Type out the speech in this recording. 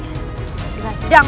aku akan mencari kebaikanmu